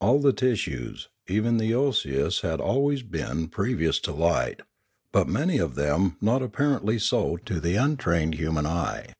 All the tissues, even the osseous, had always been pervious to light, but many of them not apparently so to the untrained human eye.